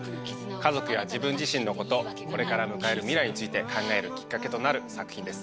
家族や自分自身のことこれから迎える未来について考えるきっかけとなる作品です。